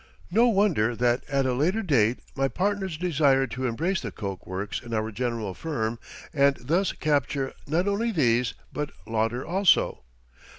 No wonder that at a later date my partners desired to embrace the coke works in our general firm and thus capture not only these, but Lauder also.